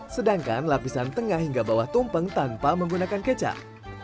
sedangkan lapisan tengah hingga bawah tumpeng tanpa menggunakan kecap